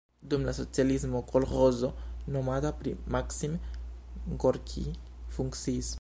Dum la socialismo kolĥozo nomata pri Maksim Gorkij funkciis.